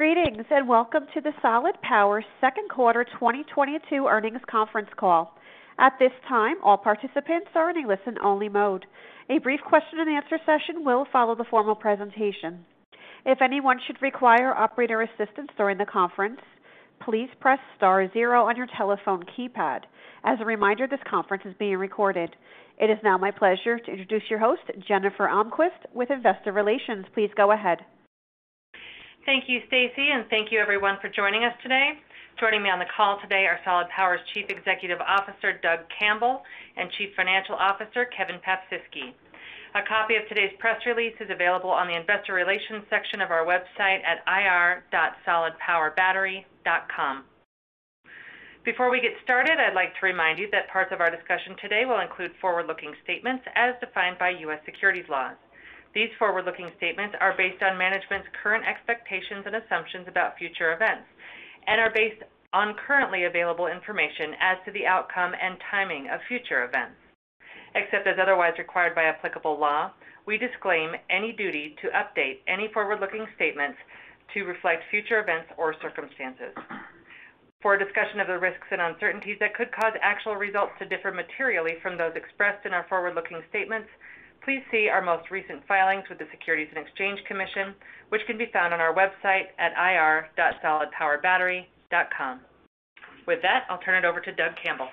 Greetings, and welcome to the Solid Power second quarter 2022 earnings conference call. At this time, all participants are in a listen-only mode. A brief question-and-answer session will follow the formal presentation. If anyone should require operator assistance during the conference, please press star zero on your telephone keypad. As a reminder, this conference is being recorded. It is now my pleasure to introduce your host, Jennifer Almquist, with Investor Relations. Please go ahead. Thank you, Stacy, and thank you everyone for joining us today. Joining me on the call today are Solid Power's Chief Executive Officer, Doug Campbell, and Chief Financial Officer, Kevin Paprzycki. A copy of today's press release is available on the investor relations section of our website at ir.solidpowerbattery.com. Before we get started, I'd like to remind you that parts of our discussion today will include forward-looking statements as defined by U.S. securities laws. These forward-looking statements are based on management's current expectations and assumptions about future events and are based on currently available information as to the outcome and timing of future events. Except as otherwise required by applicable law, we disclaim any duty to update any forward-looking statements to reflect future events or circumstances. For a discussion of the risks and uncertainties that could cause actual results to differ materially from those expressed in our forward-looking statements, please see our most recent filings with the Securities and Exchange Commission, which can be found on our website at ir.solidpowerbattery.com. With that, I'll turn it over to Doug Campbell.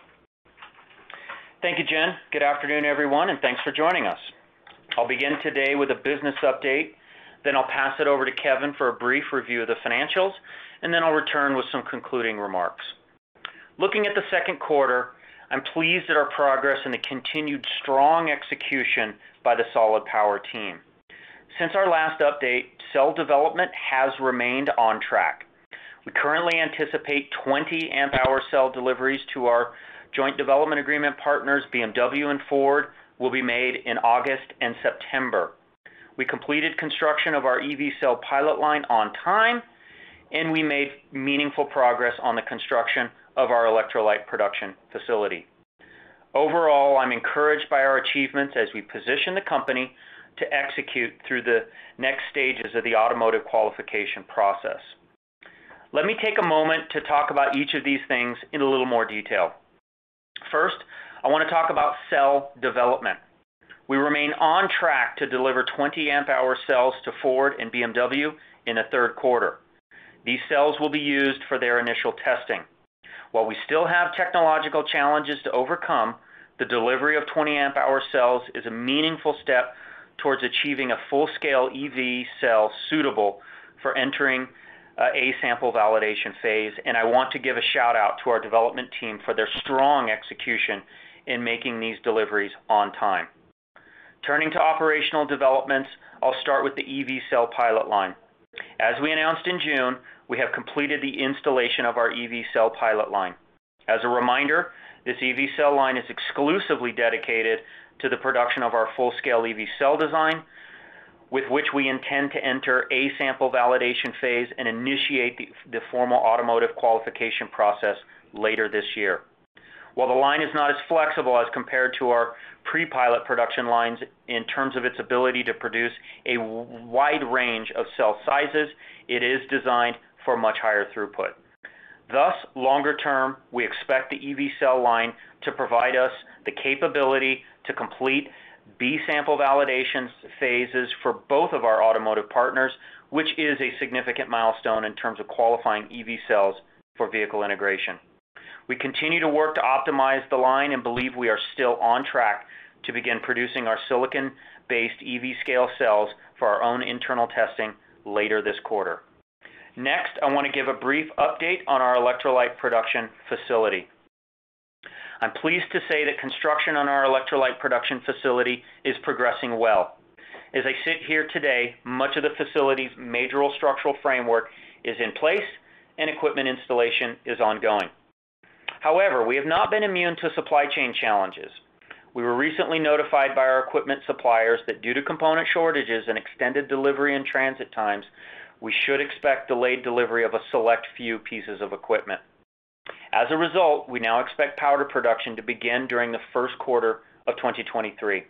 Thank you, Jen. Good afternoon, everyone, and thanks for joining us. I'll begin today with a business update, then I'll pass it over to Kevin for a brief review of the financials, and then I'll return with some concluding remarks. Looking at the second quarter, I'm pleased at our progress and the continued strong execution by the Solid Power team. Since our last update, cell development has remained on track. We currently anticipate 20 amp hour cell deliveries to our joint development agreement partners, BMW and Ford, will be made in August and September. We completed construction of our EV cell pilot line on time, and we made meaningful progress on the construction of our electrolyte production facility. Overall, I'm encouraged by our achievements as we position the company to execute through the next stages of the automotive qualification process. Let me take a moment to talk about each of these things in a little more detail. First, I wanna talk about cell development. We remain on track to deliver 20 amp hour cells to Ford and BMW in the third quarter. These cells will be used for their initial testing. While we still have technological challenges to overcome, the delivery of 20 amp hour cells is a meaningful step towards achieving a full-scale EV cell suitable for entering a sample validation phase, and I want to give a shout-out to our development team for their strong execution in making these deliveries on time. Turning to operational developments, I'll start with the EV cell pilot line. As we announced in June, we have completed the installation of our EV cell pilot line. As a reminder, this EV cell line is exclusively dedicated to the production of our full-scale EV cell design, with which we intend to enter a sample validation phase and initiate the formal automotive qualification process later this year. While the line is not as flexible as compared to our pre-pilot production lines in terms of its ability to produce a wide range of cell sizes, it is designed for much higher throughput. Thus, longer term, we expect the EV cell line to provide us the capability to complete B sample validation phases for both of our automotive partners, which is a significant milestone in terms of qualifying EV cells for vehicle integration. We continue to work to optimize the line and believe we are still on track to begin producing our silicon-based EV-scale cells for our own internal testing later this quarter. Next, I want to give a brief update on our electrolyte production facility. I'm pleased to say that construction on our electrolyte production facility is progressing well. As I sit here today, much of the facility's major structural framework is in place and equipment installation is ongoing. However, we have not been immune to supply chain challenges. We were recently notified by our equipment suppliers that due to component shortages and extended delivery and transit times, we should expect delayed delivery of a select few pieces of equipment. As a result, we now expect powder production to begin during the first quarter of 2023.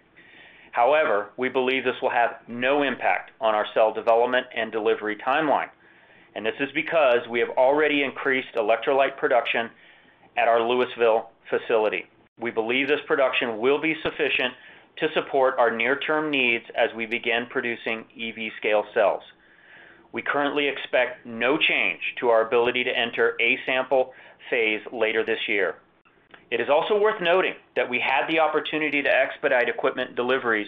However, we believe this will have no impact on our cell development and delivery timeline, and this is because we have already increased electrolyte production at our Louisville facility. We believe this production will be sufficient to support our near-term needs as we begin producing EV scale cells. We currently expect no change to our ability to enter a sample phase later this year. It is also worth noting that we had the opportunity to expedite equipment deliveries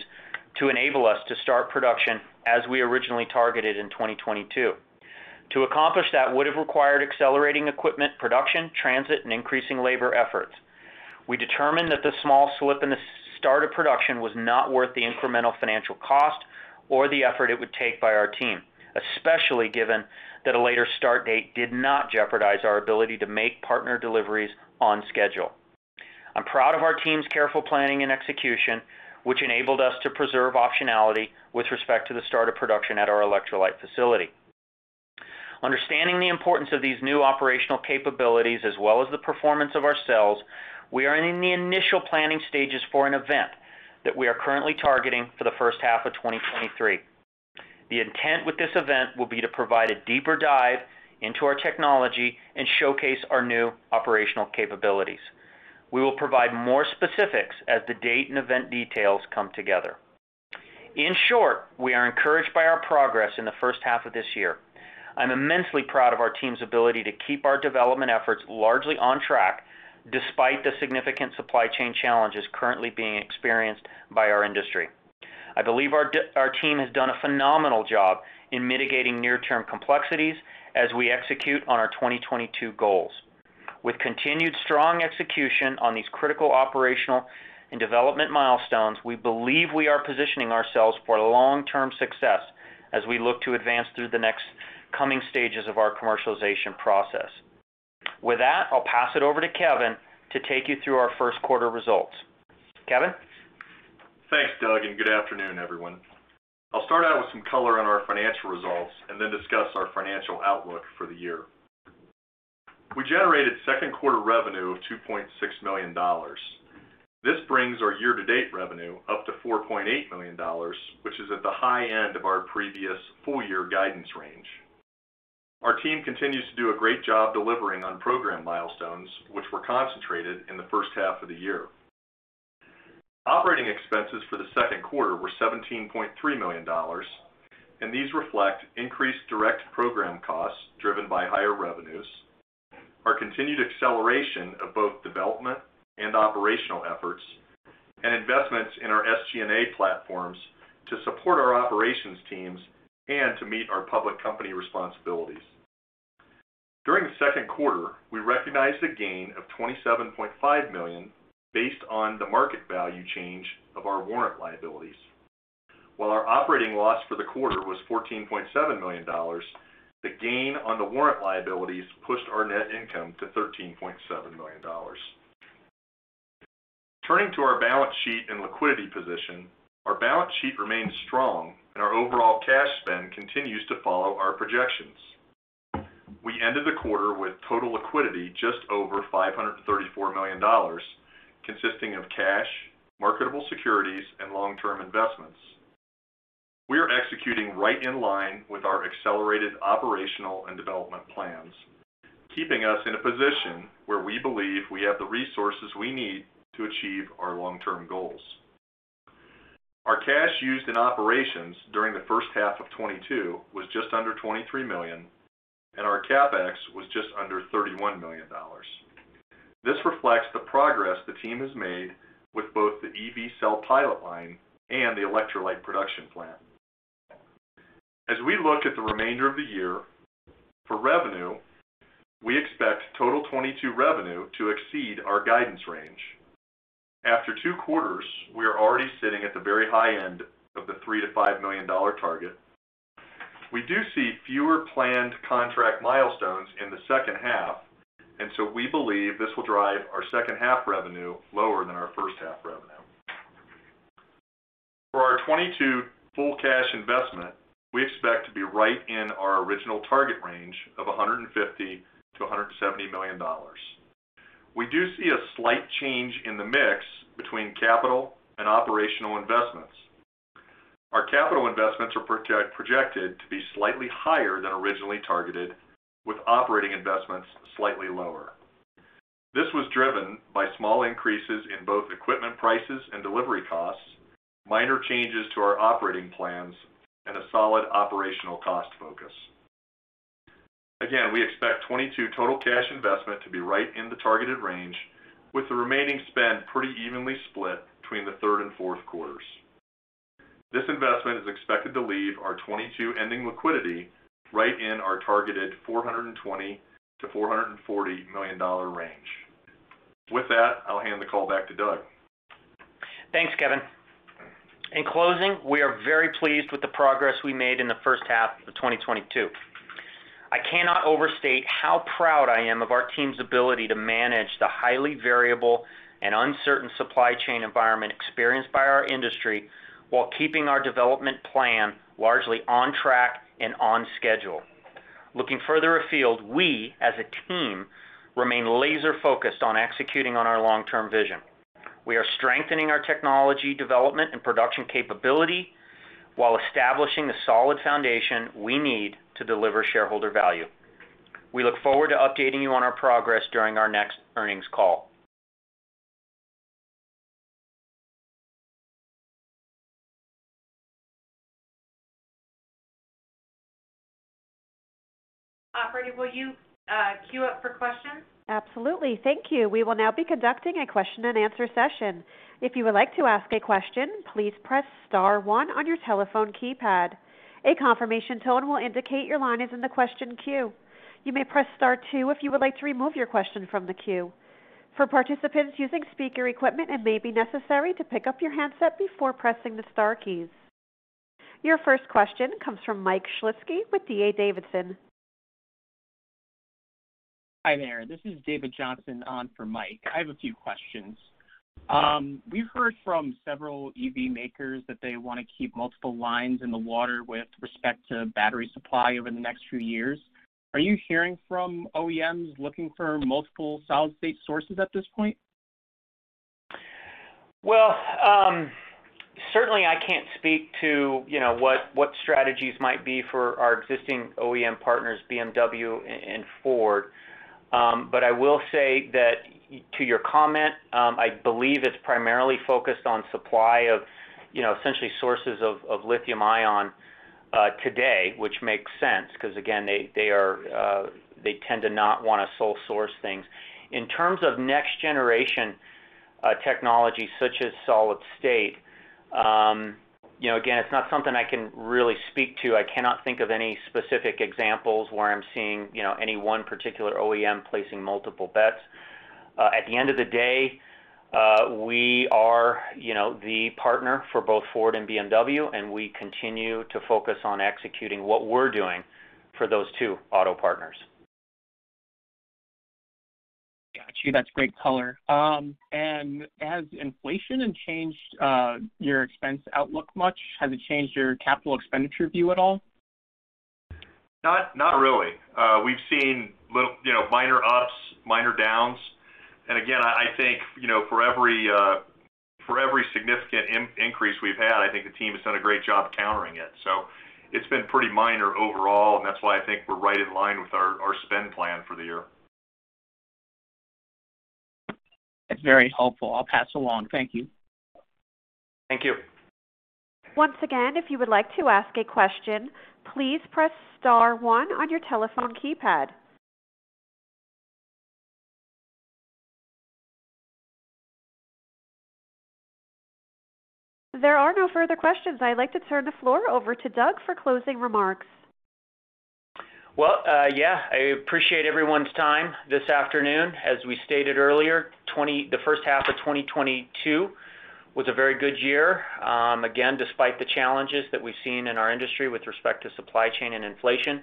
to enable us to start production as we originally targeted in 2022. To accomplish that would have required accelerating equipment production, transit, and increasing labor efforts. We determined that the small slip in the start of production was not worth the incremental financial cost or the effort it would take by our team, especially given that a later start date did not jeopardize our ability to make partner deliveries on schedule. I'm proud of our team's careful planning and execution, which enabled us to preserve optionality with respect to the start of production at our electrolyte facility. Understanding the importance of these new operational capabilities as well as the performance of our sales, we are in the initial planning stages for an event that we are currently targeting for the first half of 2023. The intent with this event will be to provide a deeper dive into our technology and showcase our new operational capabilities. We will provide more specifics as the date and event details come together. In short, we are encouraged by our progress in the first half of this year. I'm immensely proud of our team's ability to keep our development efforts largely on track despite the significant supply chain challenges currently being experienced by our industry. I believe our team has done a phenomenal job in mitigating near-term complexities as we execute on our 2022 goals. With continued strong execution on these critical operational and development milestones, we believe we are positioning ourselves for long-term success as we look to advance through the next coming stages of our commercialization process. With that, I'll pass it over to Kevin to take you through our first quarter results. Kevin? Thanks, Doug, and good afternoon, everyone. I'll start out with some color on our financial results and then discuss our financial outlook for the year. We generated second quarter revenue of $2.6 million. This brings our year-to-date revenue up to $4.8 million, which is at the high end of our previous full year guidance range. Our team continues to do a great job delivering on program milestones, which were concentrated in the first half of the year. Operating expenses for the second quarter were $17.3 million, and these reflect increased direct program costs driven by higher revenues, our continued acceleration of both development and operational efforts, and investments in our SG&A platforms to support our operations teams and to meet our public company responsibilities. During the second quarter, we recognized a gain of $27.5 million based on the market value change of our warrant liabilities. While our operating loss for the quarter was $14.7 million, the gain on the warrant liabilities pushed our net income to $13.7 million. Turning to our balance sheet and liquidity position, our balance sheet remains strong and our overall cash spend continues to follow our projections. We ended the quarter with total liquidity just over $534 million, consisting of cash, marketable securities, and long-term investments. We are executing right in line with our accelerated operational and development plans, keeping us in a position where we believe we have the resources we need to achieve our long-term goals. Our cash used in operations during the first half of 2022 was just under $23 million, and our CapEx was just under $31 million. This reflects the progress the team has made with both the EV cell pilot line and the electrolyte production plant. As we look at the remainder of the year for revenue, we expect total 2022 revenue to exceed our guidance range. After two quarters, we are already sitting at the very high end of the $3-$5 million target. We do see fewer planned contract milestones in the second half, and so we believe this will drive our second half revenue lower than our first half revenue. For our 2022 full cash investment, we expect to be right in our original target range of $150-$170 million. We do see a slight change in the mix between capital and operational investments. Our capital investments are projected to be slightly higher than originally targeted, with operating investments slightly lower. This was driven by small increases in both equipment prices and delivery costs, minor changes to our operating plans, and a solid operational cost focus. Again, we expect 2022 total cash investment to be right in the targeted range, with the remaining spend pretty evenly split between the third and fourth quarters. This investment is expected to leave our 2022 ending liquidity right in our targeted $420-$440 million-dollar range. With that, I'll hand the call back to Doug. Thanks, Kevin. In closing, we are very pleased with the progress we made in the first half of 2022. I cannot overstate how proud I am of our team's ability to manage the highly variable and uncertain supply chain environment experienced by our industry while keeping our development plan largely on track and on schedule. Looking further afield, we as a team remain laser-focused on executing on our long-term vision. We are strengthening our technology development and production capability while establishing the solid foundation we need to deliver shareholder value. We look forward to updating you on our progress during our next earnings call. Operator, will you queue up for questions? Absolutely. Thank you. We will now be conducting a question and answer session. If you would like to ask a question, please press star one on your telephone keypad. A confirmation tone will indicate your line is in the question queue. You may press star two if you would like to remove your question from the queue. For participants using speaker equipment, it may be necessary to pick up your handset before pressing the star keys. Your first question comes from Mike Shlisky with D.A. Davidson. Hi there. This is David Johnson on for Mike. I have a few questions. We've heard from several EV makers that they wanna keep multiple irons in the fire with respect to battery supply over the next few years. Are you hearing from OEMs looking for multiple solid-state sources at this point? Well, certainly I can't speak to, you know, what strategies might be for our existing OEM partners, BMW and Ford. I will say that to your comment, I believe it's primarily focused on supply of, you know, essentially sources of lithium ion today, which makes sense because again, they tend to not wanna sole source things. In terms of next generation technology such as solid state, you know, again, it's not something I can really speak to. I cannot think of any specific examples where I'm seeing, you know, any one particular OEM placing multiple bets. At the end of the day, we are, you know, the partner for both Ford and BMW, and we continue to focus on executing what we're doing for those two auto partners. Got you. That's great color. Has inflation changed your expense outlook much? Has it changed your capital expenditure view at all? Not really. We've seen little, you know, minor ups, minor downs. Again, I think, you know, for every significant increase we've had, I think the team has done a great job countering it. It's been pretty minor overall, and that's why I think we're right in line with our spend plan for the year. That's very helpful. I'll pass along. Thank you. Thank you. Once again, if you would like to ask a question, please press star one on your telephone keypad. There are no further questions. I'd like to turn the floor over to Doug for closing remarks. Well, yeah. I appreciate everyone's time this afternoon. As we stated earlier, the first half of 2022 was a very good year. Again, despite the challenges that we've seen in our industry with respect to supply chain and inflation,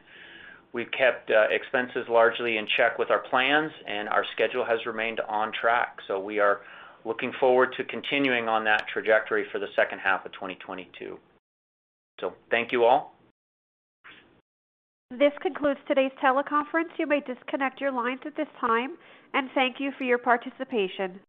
we've kept expenses largely in check with our plans, and our schedule has remained on track. We are looking forward to continuing on that trajectory for the second half of 2022. Thank you all. This concludes today's teleconference. You may disconnect your lines at this time, and thank you for your participation.